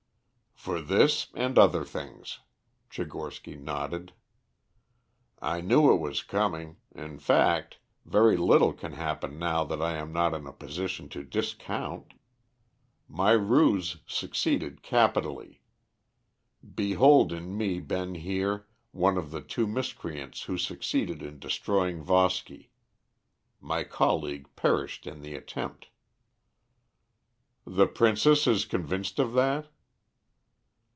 "For this and other things," Tchigorsky nodded. "I knew it was coming; in fact, very little can happen now that I am not in a position to discount. My ruse succeeded capitally. Behold in me Ben Heer, one of the two miscreants who succeeded in destroying Voski. My colleague perished in the attempt." "The princess is convinced of that?"